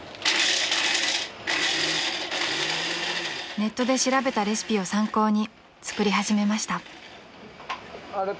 ［ネットで調べたレシピを参考に作り始めました］